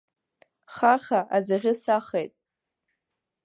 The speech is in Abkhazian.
Хаха аӡӷьы сахеит.